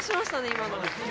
今の。